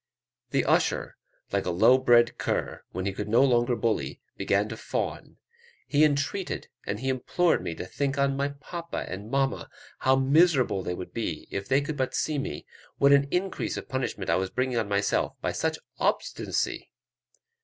The usher, like a low bred cur, when he could no longer bully, began to fawn; he entreated and he implored me to think on "my papa and mamma; how miserable they would be, if they could but see me; what an increase of punishment I was bringing on myself by such obstinacy."